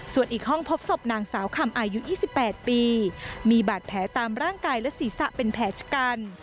ส่วนอีกห้องพบศพนางสาวคำอายุ๒๘ปีมีบาดแผลตามร่างกายและศีรษะเป็นแผลชะกัน